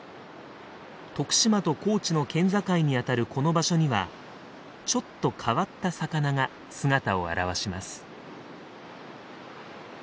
徳島と高知の県境にあたるこの場所にはちょっと変わった魚が姿を現します。